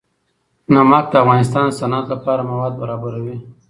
نمک د افغانستان د صنعت لپاره مواد برابروي.